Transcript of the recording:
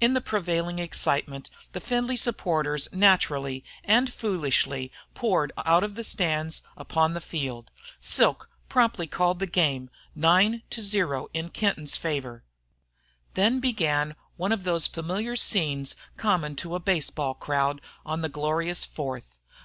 In the prevailing excitement the Findlay supporters naturally and foolishly poured out of the stands upon the field. Silk promptly called the game 9 to 0 in Kenton's favor. Then began one of those familiar scenes common to a baseball crowd on the glorious Fourth.